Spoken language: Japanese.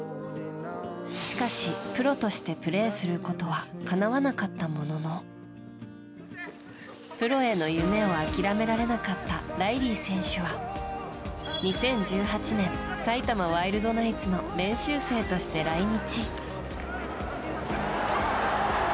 しかし、プロとしてプレーすることはかなわなかったもののプロへの夢を諦めきれなかったライリー選手は２０１８年埼玉ワイルドナイツの練習生として来日。